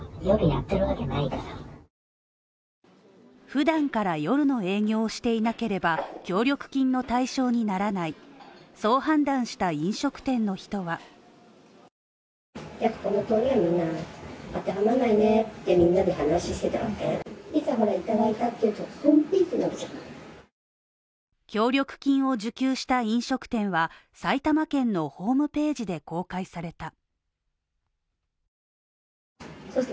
普段から夜の営業をしていなければ、協力金の対象にならないそう判断した飲食店の人は協力金を受給した飲食店は、埼玉県のホームページで公開された。